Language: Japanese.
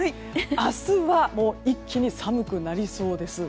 明日はもう一気に寒くなりそうです。